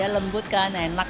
lembut kan enak